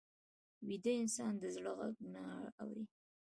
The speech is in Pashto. ویده انسان د زړه غږ نه اوري